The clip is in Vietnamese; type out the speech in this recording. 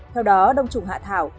theo đó đông trùng hạ thảo